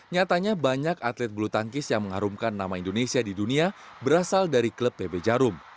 nyatanya banyak atlet bulu tangkis yang mengharumkan nama indonesia di dunia berasal dari klub pb jarum